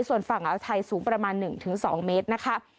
ส่วนฝั่งอาวุธไทยสูงประมาณหนึ่งถึงสองเมตรนะคะ